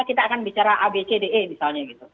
kita akan bicara abcde misalnya gitu